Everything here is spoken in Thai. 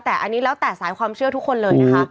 แต่อันนี้แล้วแต่สายความเชื่อทุกคนเลยนะคะ